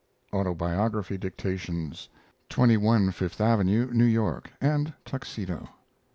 Autobiography dictations (27 Fifth Avenue, New York; and Tuxedo).